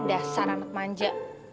hadaah salah anak manja